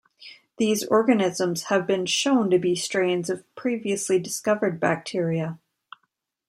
These organisms have been shown to be strains of previously discovered bacteria.